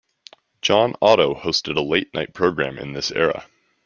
John Otto hosted a late night program in this era.